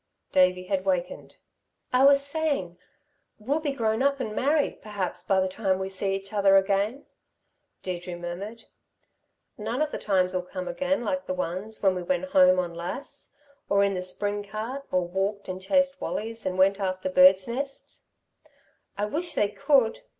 Davey had wakened. "I was saying, we'll be grown up and married, perhaps by the time we see each other again," Deirdre murmured. "None of the times'll come again like the ones when we went home on Lass, or in the spring cart, or walked, and chased wallies and went after birds' nests. I wish they could!